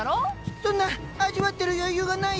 そんな味わってる余裕がないよ！